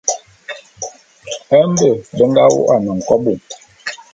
Mbe be nga wô'an nkobô.